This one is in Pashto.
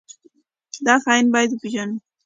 دا خاين بايد وپېژنو.